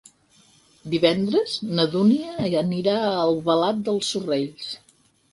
Divendres na Dúnia anirà a Albalat dels Sorells.